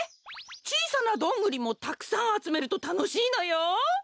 ちいさなどんぐりもたくさんあつめるとたのしいのよ！